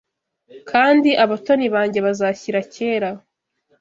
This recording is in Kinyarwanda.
kandi abatoni banjye bazashyira kera